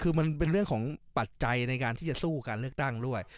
คือมันเป็นเรื่องของปัจจัยในการที่จะสู้การเลือกตั้งด้วย